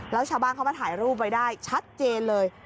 แล้วชาวบ้านเขามาถ่ายรูปไว้ได้ชัดเจนเลย